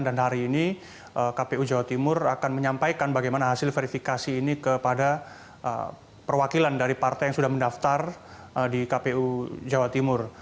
hari ini kpu jawa timur akan menyampaikan bagaimana hasil verifikasi ini kepada perwakilan dari partai yang sudah mendaftar di kpu jawa timur